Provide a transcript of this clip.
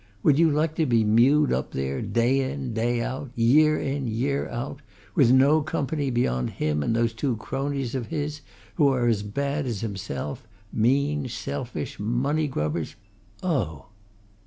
Would you like to be mewed up there, day in, day out, year in, year out, with no company beyond him and those two cronies of his, who are as bad as himself mean, selfish, money grubbers! Oh!"